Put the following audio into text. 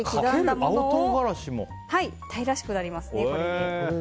これでタイらしくなりますね。